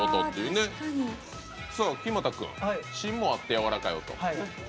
木全君「しんもあってやわらかい音」。